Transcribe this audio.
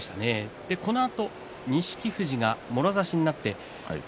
このあと錦富士がもろ差しになって。